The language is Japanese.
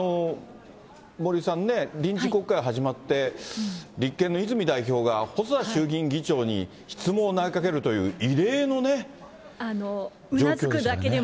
森さんね、臨時国会始まって、立憲の泉代表が、細田衆議院議長に質問を投げかけるという異例のね、状況でしたね。